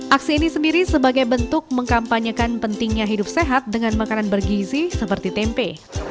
aksi ini sendiri sebagai bentuk mengkampanyekan pentingnya hidup sehat dengan makanan bergizi seperti tempe